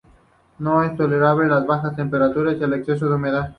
No es tolerante a las bajas temperaturas y al exceso de humedad.